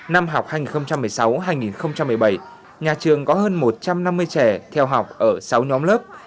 năm học hai nghìn một mươi sáu hai nghìn một mươi bảy nhà trường có hơn một trăm năm mươi trẻ theo học ở sáu nhóm lớp